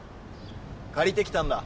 借りてきたんだ。